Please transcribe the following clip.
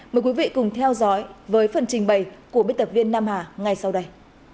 mời quý vị cùng theo dõi với phần trình bày của biên tập viên nam hà ngay sau đây